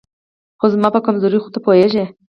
خو زما په کمزورۍ خو ته پوهېږې